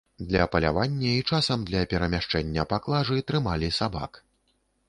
Для палявання і часам для перамяшчэння паклажы трымалі сабак.